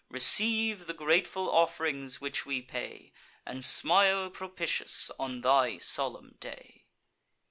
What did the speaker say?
Receive the grateful off'rings which we pay, And smile propitious on thy solemn day!"